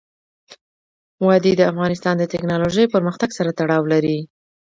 وادي د افغانستان د تکنالوژۍ پرمختګ سره تړاو لري.